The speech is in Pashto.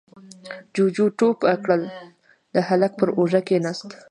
جُوجُو ټوپ کړل، د هلک پر اوږه کېناست: